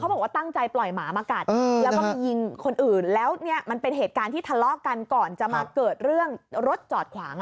บอกว่าตั้งใจปล่อยหมามากัดแล้วก็มายิงคนอื่นแล้วเนี่ยมันเป็นเหตุการณ์ที่ทะเลาะกันก่อนจะมาเกิดเรื่องรถจอดขวาง